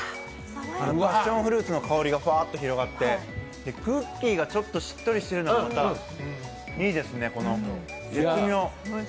パッションフルーツのお味がふわっと広がって、クッキーがちょっとしっとりしているのが、またいいですね、絶妙。